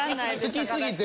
好きすぎて？